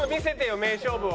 名勝負を。